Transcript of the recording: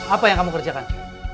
apa yang kamu kerjakan